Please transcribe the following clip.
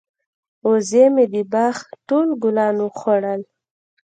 وزې مې د باغ ټول ګلان وخوړل.